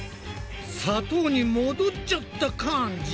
砂糖に戻っちゃった感じ？